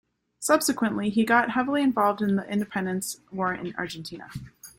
Subsequently, he got heavily involved in the independence war in Argentina.